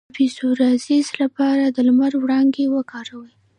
د پسوریازیس لپاره د لمر وړانګې وکاروئ